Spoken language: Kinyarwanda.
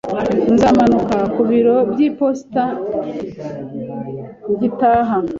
Nzamanuka ku biro by'iposita ngitaha